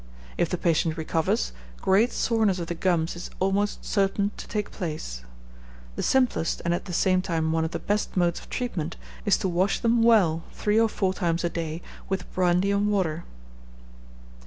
If the patient recovers, great soreness of the gums is almost certain to take place. The simplest, and at the same time one of the best modes of treatment, is to wash them well three or four times a day with brandy and water.